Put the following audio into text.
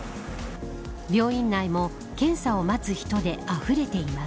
病院内も検査を待つ人であふれています。